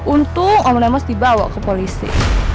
untung om lemas dibawa ke polisi